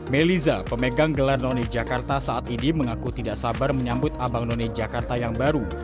meliza pemegang gelar none jakarta saat ini mengaku tidak sabar menyambut abang none jakarta yang baru